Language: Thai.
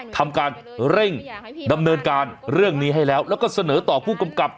ทำการเร่งดำเนินการเรื่องนี้ให้แล้วแล้วก็เสนอต่อผู้กำกับ